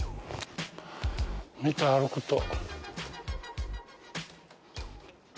見て歩くと。